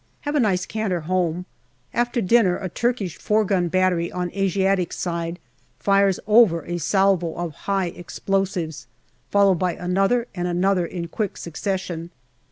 Have a nice canter home. After dinner a Turkish four gun battery on Asiatic side fires over a salvo of high explosives, followed by another and another in quick succession.